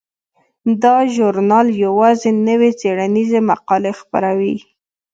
دا ژورنال یوازې نوې څیړنیزې مقالې خپروي.